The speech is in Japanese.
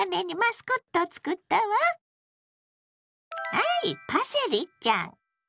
はいパセリちゃん。